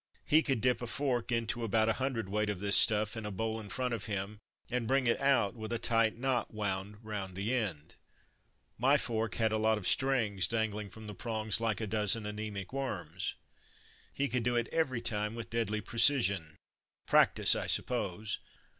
He could dip a fork into about a hundredweight of this stuff in a bowl in front of him, and bring it out with a tight knot wound round the end. My fork had a lot of strings dangling from the prongs like a dozen anaemic worms. He could do it every time with deadly precision, — practice, I suppose.